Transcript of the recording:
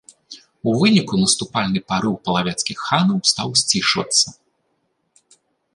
У выніку наступальны парыў палавецкіх ханаў стаў сцішвацца.